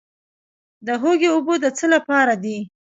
د هوږې اوبه د څه لپاره دي؟